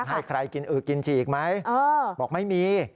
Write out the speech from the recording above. ให้ใครกินอึกกินฉีกไหมบอกไม่มี